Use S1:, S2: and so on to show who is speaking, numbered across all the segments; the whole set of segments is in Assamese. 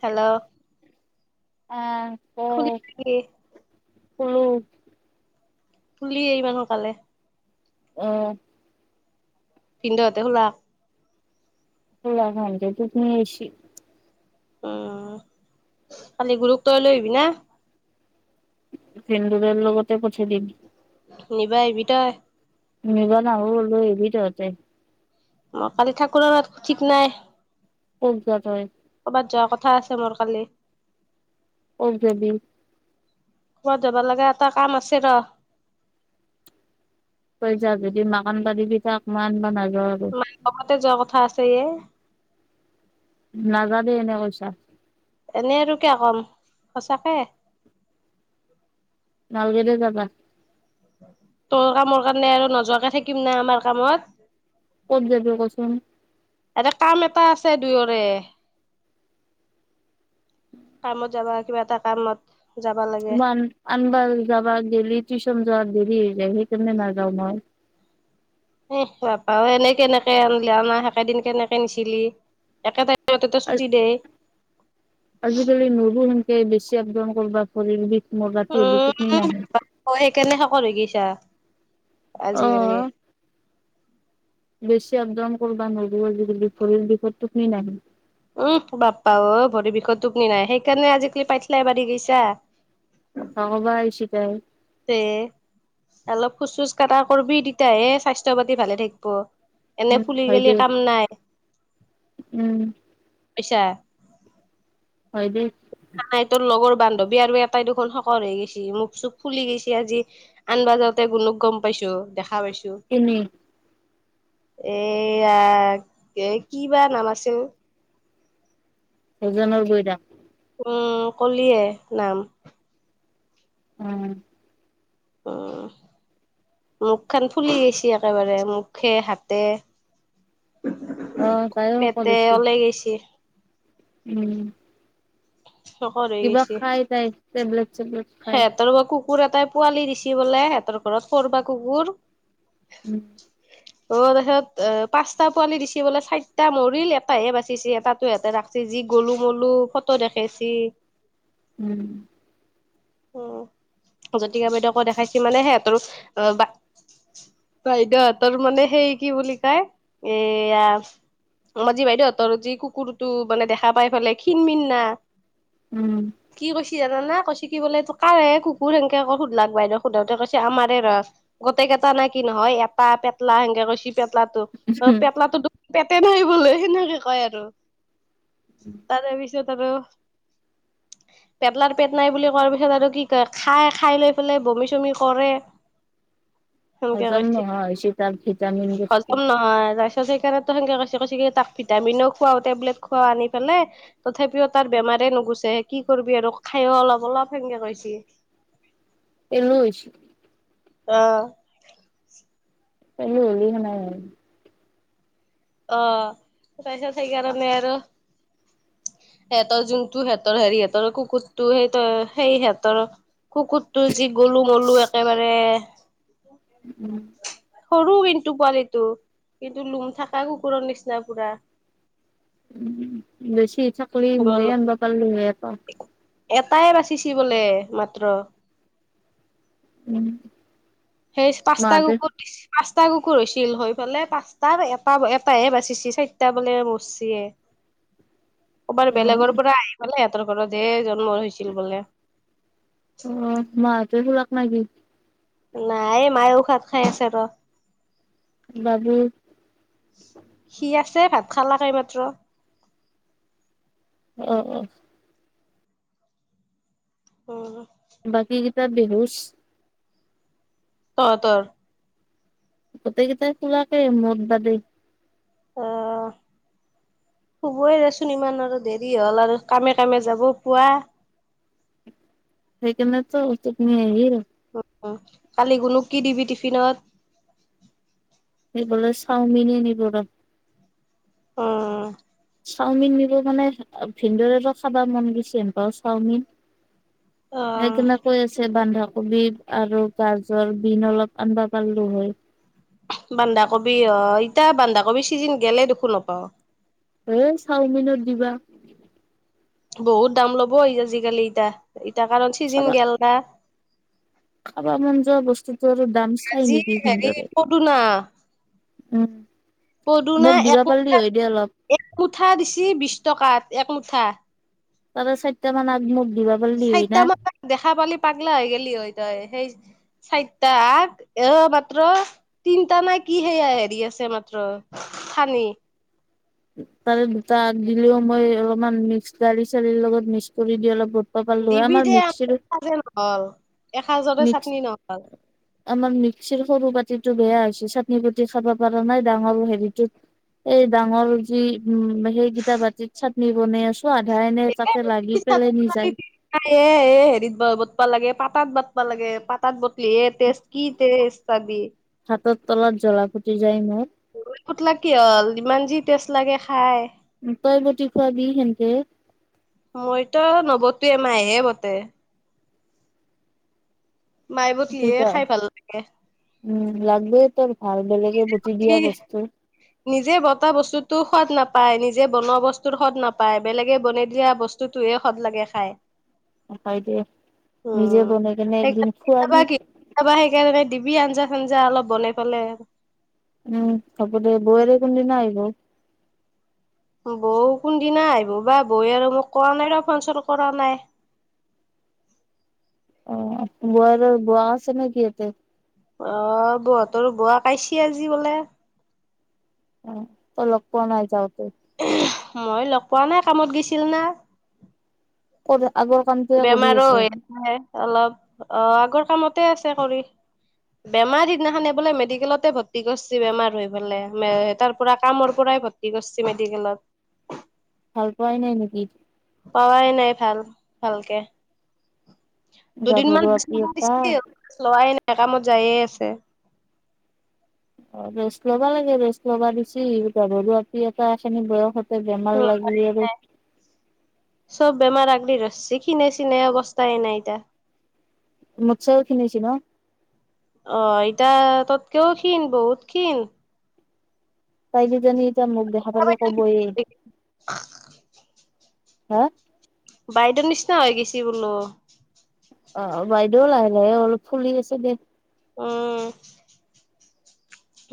S1: হেল্ল'।
S2: আহ।
S1: খুলি [unintelligible]
S2: উম!
S1: শুলিয়ে ইমান সোনকালে। ‌
S2: অ'হ!
S1: ভিনদেউহঁতে খোলা।
S2: [unintelligible]
S1: উম কালি গুৰুক তই লৈ আহিবি না?
S2: ইন্দুদাৰ লগতে পঠাই দিম।
S1: নিব আহিবি তই।
S2: নিব নাহো, লই আহিবি তহঁতে।
S1: অ' কালি থাকোঁ নাই তাত, ঠিক নাই।
S2: [unintelligible]
S1: কৰ'বাত যোৱা কথা আছে, মোৰ কালি।
S2: ক'ত যাবি?
S1: ক'বাত যাব লাগে এটা কাম আছে ৰ।
S2: তই যা যদি, মাক আনিবা দিবি তাক, মই আনিবা নাযাও আৰু।
S1: ততে যোৱা কথা আছে এ।
S2: নাজাঅ দে‌, এনে কৈছা।
S1: এনেই আৰু কিয় ক'ম! সঁচাকে।
S2: নখলগে দে যাবা।
S1: তোৰ কামৰ কাৰণে আৰু নোযোৱাকে থাকিম না আমাৰ কামত?
S2: ক'ত যাবি কছোন।
S1: এতে কাম এটা আছে দুয়োৰে। কামত যাবা, কিবা এটা কামত যাবা লাগে
S2: মই আনবাৰ জাবা গেলি টিউচন যোৱা দে, সেই কাৰণে নাযাওঁ মই।
S1: এহ বাপ্পাঐ! এনেই কেনেকে আনিলে, অনা সেকেদিন কেনেকে নিছিলি? একেট
S2: আ, আজিকালি ন'ৰো কে, বেছি আপডাওন কৰবা, ভৰিৰ বিষ, মোৰ‌ ৰাতি হ'লে
S1: উম
S2: টুপনী নাহে।
S1: অ সেইকাৰণে শকত হৈ গেইছা, আজিকালি।
S2: অ বেছি আপ-ডাউন কৰিব নোৱাৰিব আজিকালি। ভৰিৰ বিষত টোপনি নাহে।
S1: উহ বাপ্পা অ', ভৰি বিষত টোপনি নাই। সেইকাৰণে আজিকালি পাইঠিলাই বাঢ়ি গৈছা।
S2: কথা কবা আইছি তাই।
S1: তে। অলপ খোজ-চোজ কাঢ়া কৰবি। তেতিয়াহে স্বাস্থ্যপাতি ভালে থাকিব। এনে
S2: উম
S1: ফুলি
S2: হয়
S1: গেলে
S2: দে
S1: কাম নাই।
S2: উম
S1: পাইছা?
S2: হয় দে।
S1: নাই তোৰ লগৰ বান্ধৱী আৰু এটাই দুখোন শকত হৈ গৈছে। মুখ- চোখ ফুলি গৈছে আজি। আনবা যাওঁতে গুণোক গম পাইছোঁ। দেখা পাইছোঁ।
S2: তিনি
S1: এয়া, কি বা নাম আছিল?
S2: [unintelligible]
S1: উম, কলিয়ে নাম।
S2: উম!
S1: অ'! মুখ খান ফুলি গৈছে, একেবাৰে মুখে হাতে।
S2: অ তাইও শকত
S1: পেটে
S2: হৈছি
S1: ওলাই গৈছে।
S2: উম!
S1: শকত হৈ
S2: কিবা
S1: গৈছি
S2: খায় তাই, টেবলেট -চেবলেট খায়।
S1: সিহঁতৰ বা কুকুৰ এটাই পোৱালি দিছে বোলে, সিহঁতৰ ঘৰত। কৰবা কুকুৰ?
S2: উম!
S1: অ'! তাৰপিছত, অ' পাঁচটা পোৱালি দিছে বোলে। চাৰিটা মৰিল, এটাহে বাচিছে। এটাতো ইহঁতে ৰাখিছে। যি গলো মলো ফটো দেখাইছি।
S2: উম!
S1: উম, জতিকা বাইদেউক দেখাইছি মানে, সিহঁতৰ অ' বা বাইদেউহঁতৰ মানে, সেই কি বুলি কয় এয়া আমাৰ যি বাইদেউহঁতৰ যি কুকুৰটো মানে, দেখা পাই পেলাই ক্ষীণ মিন না।
S2: উম!
S1: কি জানানে কি বোলে এইটো কাৰ এই, কুকুৰ সেনকে আকৌ সোধলাক, বাইদেউ সোধাওতে কৈছে, আমাৰে হয়। গোটেইকেইটা কি নহয়। এটা পেটলা সেনকে কৈছি। পেটলাটো অ' পেটলাটো পেটে নাই বোলে, সেনেকে কয় আৰু। তাৰেপিছত আৰু পেটলাৰ পেট নাই বুলি কৱাৰ পিছত আৰু কি কয়, খায়, খায়, লৈ পেলাই বমি চমি কৰে। সেনেক
S2: হজম
S1: কৈছে,
S2: নোহোৱা হৈছি তাৰ ভিটামিন বস্তু
S1: হজম নহয়। সেইকাৰণে, কে কৈছে কি, তাক ভিটামিনো খোৱাওতে খোৱও আনি পেলে। তথাপিও তাৰ বেমাৰ নুগুচে। কি কৰিবি আৰু খাইও অলপ, অলপ সেনেকে কৈছি।
S2: পেলু হৈছি।
S1: অ'!
S2: [unintelligible]
S1: অ'! পইচা সেইকাৰনে আৰু সিহঁতৰ, যোনটো সিহঁতৰ হেৰি, সিহঁতৰ কুকুৰটো সেই, সেই সিহঁতৰ কুকুৰটো যি গলো মলো একেবাৰে।
S2: উম
S1: সৰু কিন্তু পোৱালিটো। কিন্তু, লুম থাকা কুকুৰৰ নিচিনা পুৰা।
S2: উম, বেছি থাকলি
S1: গলু
S2: মইয়ে আনিব পাৰিলো হে এটা।
S1: এটাই বাচিচি বোলে মাত্ৰ।
S2: উম।
S1: সেই পাছ তা
S2: মাহঁতে
S1: কুকুৰ পাঁচ চটা কুকুৰ হৈছিল হৈ ফালে পাঁচটা এটা এটাহে বাচিছে চাৰিটা বোলে মৰিচি। ক'বাৰ
S2: অ
S1: বেলেগৰ পৰা আহি পালাই সিহঁতৰ ঘৰত যে জন্ম হৈছিল বোলে।
S2: অ, মাত ফলক নি
S1: নাই এই মাৰ ও ভাত খাই আছে ৰ।
S2: বাবু
S1: যে ভাত খালালা খাই মাত্ৰ।
S2: অ, অ।
S1: অ।
S2: বাকী কেইটা বেহোচ।
S1: অ ত।
S2: গোটেইকেইটাই খোলাকে মদ বাদে।
S1: অহ। হুবই দেচোন ইমান আৰু দেৰি হ'ল আৰু কামে কামে যাব পুৱা
S2: সেইকাৰনেতো টোপনি আহিল।
S1: উম কালি গুনু কি দিবি টিফিনত?
S2: এইবোলে চাওমিন এ নিব।
S1: উম
S2: চাওমিন নিব মানে ভিনদৰেত খাবা মন গৈছে এনুকোৱা চাওমিন।
S1: অ
S2: সেকেনে কৈ আছে বান্ধক। কবি আৰু গাজৰ বিন অলপ আনবা পাৰিলো হয়।
S1: বানধাকবি অ ইতা বানধাকবি চিজিন গেলে দেখোন নপাও।
S2: এ চাওমিনত দিবা।
S1: বহুত দাম ল'ব আজিকালি ইতা, ইতা কাৰণ চিজিন
S2: খাবা
S1: গেল না।
S2: খাবা মন যোৱা বস্তুটোৰ দাম চাই
S1: আজি
S2: নেকি
S1: হেৰি
S2: ভিন্দৰে?
S1: পদুনা
S2: উম।
S1: পদুনা
S2: মোক দিবা পাৰলি
S1: একমূঠা
S2: হয় দে অলপ
S1: একমুঠা দিছে বিশ টকাত একম ঠা।
S2: তাৰ চাৰিটা মান আগ দিবা পাৰলি হয়
S1: চাৰিটা
S2: না
S1: মান দেখা পালি পাগলা হৈ গেলি হয় তই সেই চাৰিটা এ মাত্ৰ তিনটা নাই কি সেয়া হেৰি আছে মাত্ৰ। থানি।
S2: তাৰে দুটা আগ দিলেও মই অলপমান মিক্স গাড়ী চালিৰ লগত মিক্স কৰি দি অলপ প পালোঁ হয়
S1: দিবি দে
S2: আমাৰ মিক্সিৰ
S1: এসাঁজে নহল এসাঁজৰে
S2: মিক্স,
S1: চাটনি নহল
S2: আমাৰ মিক্সিৰ সৰু বাতি টো বেয়া হৈছে চাটনি পুতি খাব পৰা নাই ডাঙৰ হেৰিটোত। এই ডাঙৰ যি উম সেইকিটা বাতিত চাটনি বনাই আছো। আধা এনে তাতে লাগি পেলেনি যায়
S1: হেৰিতটা লাগে পাত [unintelligible] পাতাত বাটবা লাগে, পাতাত বটলি এ টেষ্ট কি টেষ্ট পাবি
S2: হাতত তলত জ্বলা ফুটি যায় মোৰ
S1: ফুতলা কি হল ইমান যি টেষ্ট লাগে খাই।
S2: তই বটি খোৱাবি সেনকে।
S1: ত এ মাইহে বতে। মাই বটলিয়ে খাই ভাল লাগে।
S2: লাগব তোৰ ভাল বেলেগে বটি দিয়া
S1: কি
S2: বস্তু
S1: নিজে বতা বস্তুতো সোৱাদ নাপায়, নিজে বনোৱা বস্তুৰ সোৱাদ নাপায় বেলেগে বনাই দিয়া বস্তুতো টোৱে সোৱাদ লাগে খায়।
S2: অ' হয় দে। নিজে বনাইকেনে একদিন
S1: সেইকাৰণে কেতিয়াবা
S2: খুৱাবি।
S1: কি কেতিয়াবা সেইকাৰণে দিবি আঞ্জা-চাঞ্জা, অলপ বনাই পেলে।
S2: উম, হব দে। বৌৱেৰে কোনদিনা আহিব?
S1: বৌ কোনদিনা আহিব বা? বৌৱে আৰু মোক কৰা নাই ৰ'। ফোন-চন কৰা নাই। [inaudible]
S2: অ' বৌৱেৰৰ বোৱাক আছে নেকি এতে?
S1: অ' বৌহঁতৰো বৌৱা পাইছি আজি বোলে।
S2: অ'। তই লগ পোৱা নাই যাওঁতে?
S1: মই লগ পোৱা নাই। কামত গৈছিলোঁ না?
S2: কৰ আগৰ কামটোৱে কৰি
S1: বেমাৰো হৈ আছে অলপ। অ' আগৰ কামতে আছে কৰি। বেমাৰ সিদিনাখনে বোলে মেডিকেলতে ভৰ্তি কৰছি, বেমাৰ হৈ পেলে। মে- তাৰ পৰা কামৰ পৰা ই ভৰ্তি কৰছি মেডিকেলত।
S2: ভাল পোৱাই নাই নেকি?
S1: পাৱাই নাই ভাল, ভালকে।
S2: গাভৰু
S1: দুদিনমান
S2: আপি
S1: বিচ [inaudible]
S2: এটা
S1: দিছিল। লোৱাই নাই। কামত যায়ে আছে।
S2: অ' ৰেষ্ট ল'বা লাগে। ৰেষ্ট ল'বা দিছি। গাভৰু আপি এটা এখিনি বয়সত
S1: [inaudible] চব বেমাৰ আ ৰি ধৰছি। খিনাই চিনাই অৱস্থাই নাই ইতা।
S2: মোতছেও খিনাইছি ন'?
S1: অ' ইটা তোতকেও ক্ষীণ, বহুত ক্ষীণ।
S2: তাই কিজানি এতিয়া মোক দেখা পালে ক'বয়ে হা?
S1: বাইদৰ নিচিনা হৈ গৈছি বোলো।
S2: অ' বাইদেউ লাহে - লাহে অলপ ফুলি আছে দে।
S1: উম।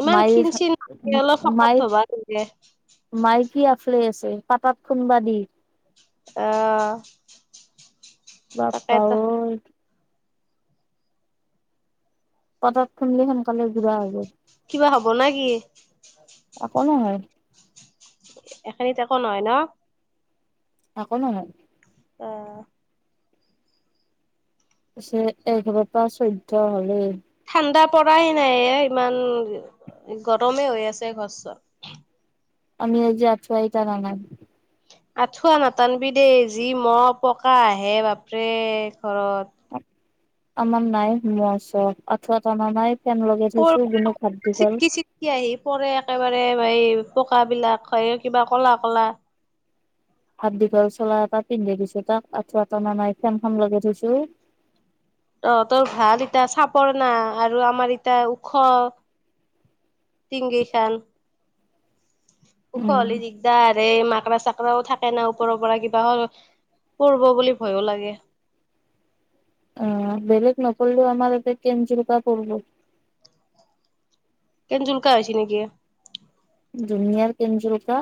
S1: ইমান
S2: মাইল
S1: ক্ষীণ
S2: ছ-
S1: চিন অলপ শকত
S2: মাই-
S1: হবা লাগে
S2: মাইক কি আফলে আছে? পাতাত খুন্দবা দি।
S1: অ'।
S2: বাপা ঐ। পতাত খুন্দলি সোনকালে গুড়া হৈ যায়।
S1: কিবা হ'ব না কি?
S2: একো নহয়।
S1: এখিনিত একো নহয় ন'?
S2: এক' নহয়।
S1: অ'।
S2: পিছে এ- কিবা পা- চৈধ্য হলে।
S1: ঠাণ্ডা পৰাই নাই ঐ ইমান, গৰমে হৈ আছে ঘৰ-চৰ।
S2: আমি আজি আঠুৱাই তাৰা নাই।
S1: আঁঠুৱা নাটানবি দেই। যি মহ-পকা আহে বাপৰে। ঘৰত।
S2: আমাৰ নাই। মহ-চহ আঁঠুৱা তৰা নাই। ফেন লগাই
S1: ক'ৰ
S2: থৈছো গুণুক হাত
S1: [inaudible]
S2: দীঘল
S1: চিটকি-চিটকি আহি পৰে একেবাৰে এই পোকবিলাক, হয়ৈ কিবা কলা-কলা।
S2: হাত দীঘল চোলা এটা পিন্ধাই দিছোঁ তাক। আঠুৱা তনা নাই। ফেন খন লগাই থৈছোঁ।
S1: অ' তোৰ ভাল এতিয়া। চাপৰ না? আৰু আমাৰ এতিয়া ওখ টিঙ কেইখান। ওখ
S2: উম
S1: হলি দিকদাৰ এ। মাক ৰা-চাকৰাও থাকে না, ওপৰৰ পৰা কিবা হ- পৰব' বুলি ভয়ো লাগে।
S2: অ' বেলেগ নপৰিলেও আমাৰ এতে কেনজোলকা পৰিব।
S1: কেনজোলকা হৈছি নেকি?
S2: ডুনিয়াৰ কেনজেলোকা।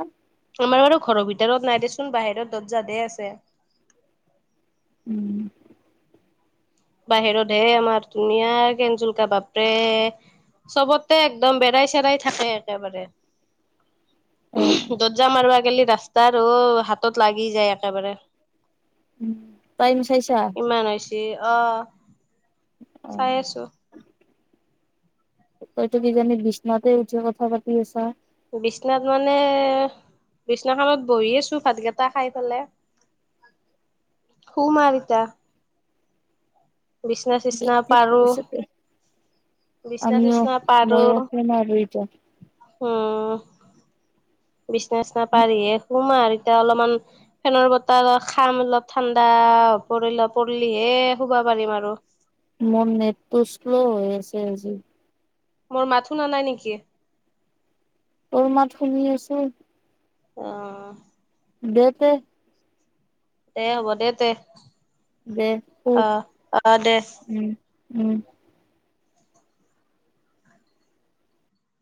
S1: আমাৰ বাৰু ঘৰৰ ভিতৰত নাই দেচোন বাহিৰত দতজাদে আছে।
S2: উম।
S1: বাহিৰত হে আমাৰ ধুনীয়া কেনজুলকা বাপৰে চবতে একদম বেৰাই চেৰাই থাকে একেবাৰে
S2: অ
S1: দত যাম আৰু আগালি ৰাস্তা আৰুো হাতত লাগি যায় একেবাৰে
S2: উ তাইম চাইছা
S1: ইমান হৈছে অ
S2: অ
S1: চাই আছো
S2: তইতো কিজানি বিচনাতে উঠি কথা পাতি আছা
S1: বিচনাত মানে বিছনাখনত বহি আছো ভাত কেইটা খাই পেলাই সু মাৰিতা বিচনা চিচিনা পাৰো।
S2: আছা
S1: বিচনা
S2: আমিও
S1: চিচনা পাৰো।
S2: মইও শুম আৰু এতিয়া
S1: উম বিচনেছ ন পাৰিয়ে সুমাৰ এতিয়া অলপমান ফেনৰ বতাহ খাম অলপ ঠাণ্ডা পৰিল পৰিলিহে শুব পাৰিম আৰু
S2: মোৰ নেটটো শ্ল হৈ আছে আজি
S1: মোৰ মাত শুন নাই নেকি?
S2: তোৰ মাত শুনি আছো
S1: অ
S2: দেতে
S1: দে হ'ব দে তে।
S2: দে খুব
S1: অ অ দে
S2: উম উম